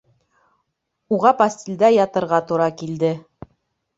Уға постелдә ятырға тура килде